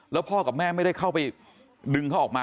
แล้วพ่อกับแม่ไม่ได้เข้าไปดึงเขาออกมา